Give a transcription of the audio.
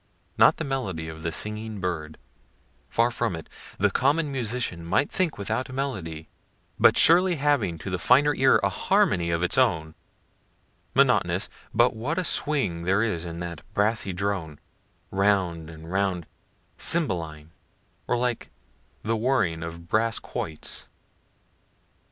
Not the melody of the singing bird far from it; the common musician might think without melody, but surely having to the finer ear a harmony of its own; monotonous but what a swing there is in that brassy drone, round and round, cymballine or like the whirling of brass quoits.